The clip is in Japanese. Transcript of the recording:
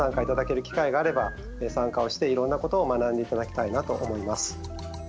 頂ける機会があれば参加をしていろんなことを学んで頂きたいなと思います。